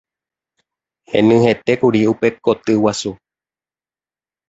Henyhẽtékuri upe koty guasu.